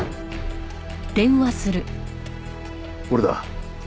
俺だ。